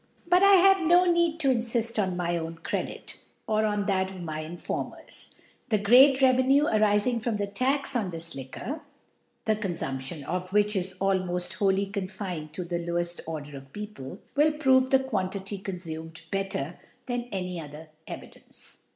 But I have no need to infift on my own Credit, or on that of my Inform ers , the great Revenue arifing from* the Tax on this Liquor (the Confumption of which is almoft wholly confined to the low ed Order of PeopJe) will prove the Quan« tity confumed better than any other Evi dence.